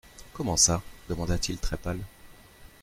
Comment ça ? demanda-t-il très pâle.